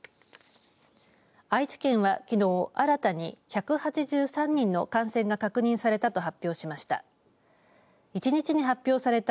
愛知県はきのう新たに１８３人の感染が確認されたと発表しました。